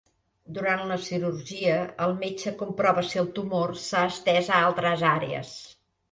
Durant la cirurgia, el metge comprova si el tumor s'ha estès a altres àrees.